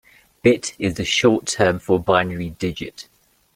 Bit is the short term for binary digit.